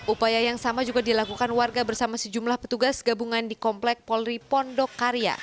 upaya yang sama juga dilakukan warga bersama sejumlah petugas gabungan di komplek polri pondok karya